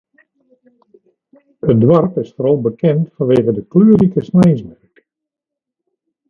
It doarp is foaral bekend fanwege de kleurrike sneinsmerk.